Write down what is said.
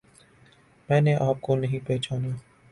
میں نے آپ کو نہیں پہچانا